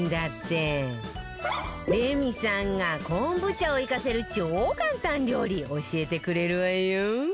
レミさんがこんぶ茶を生かせる超簡単料理教えてくれるわよ